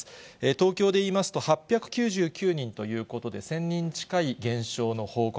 東京でいいますと、８９９人ということで、１０００人近い減少の報告。